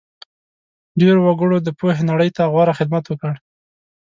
ډېرو وګړو د پوهې نړۍ ته غوره خدمت وکړ.